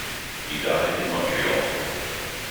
He died in Montreal.